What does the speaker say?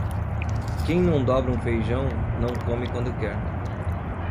Quem não dobra um feijão não come quando quer.